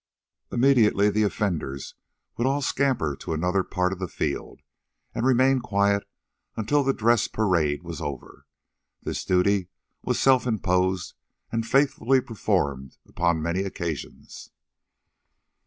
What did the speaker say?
Immediately the offenders would all scamper to another part of the field, and remain quiet until the dress parade was over. This duty was self imposed and faithfully performed upon many occasions.